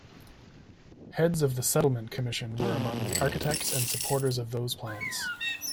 Heads of the Settlement Commission were among the architects and supporters of those plans.